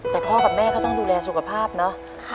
แต่พ่อกับแม่ก็ต้องดูแลสุขภาพเนอะ